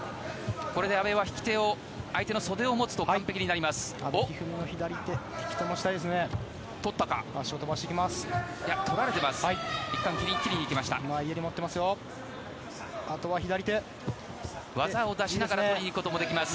これで阿部は相手の引き手を持つと完璧になります。